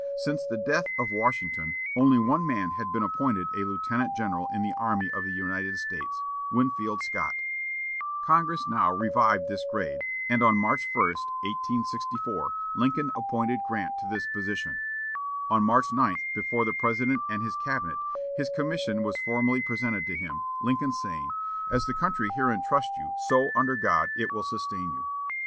Since the death of Washington, only one man had been appointed a lieutenant general in the army of the United States, Winfield Scott. Congress now revived this grade, and on March 1, 1864, Lincoln appointed Grant to this position. On March 9, before the President and his cabinet, his commission was formally presented to him, Lincoln saying, "As the country herein trusts you, so, under God, it will sustain you."